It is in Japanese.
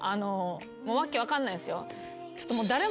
訳分かんないんですよ。